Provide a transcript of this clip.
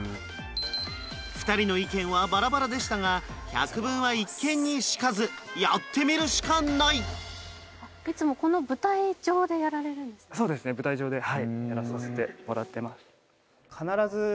２人の意見はバラバラでしたが百聞は一見にしかずやってみるしかない舞台上ではいやらさせてもらってます